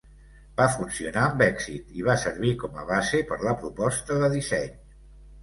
Va funcionar amb èxit i va servir com a base per la proposta de disseny.